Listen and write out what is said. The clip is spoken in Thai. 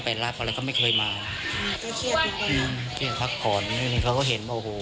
ไปแล้วก็ไม่เคยมาคือพักแบนอนนี่เขาก็เห็นโอ้โห